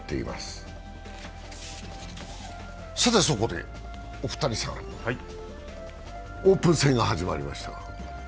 そこでお二人さん、オープン戦が始まりましたが？